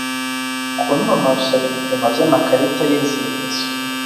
Kunonosora ibipimo by amakarita y Inzibutso